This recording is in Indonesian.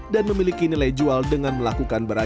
dan memiliki nilai jual dengan melakukan penyelamat